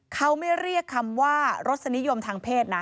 เขาไม่เรียกคำว่ารสนิยมทางเพศนะ